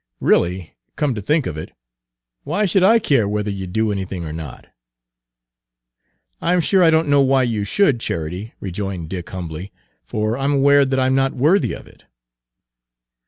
Really, come to think of it, why should I care whether you do anything or not?" Page 173 "I'm sure I don't know why you should, Charity," rejoined Dick humbly, "for I 'm aware that I 'm not worthy of it."